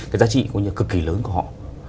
cái giá trị cực kỳ lớn của họ